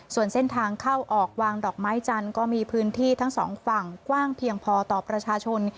ส่วนเส้นทางเข้าออกวางดอกไม้จันทร์ก็มีพื้นที่ทั้งสองฝั่งกว้างเพียงพอต่อประชาชน